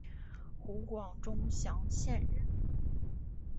湖广钟祥县人。